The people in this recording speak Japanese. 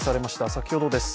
先ほどです。